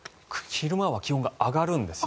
昼間は気温が上がるんです。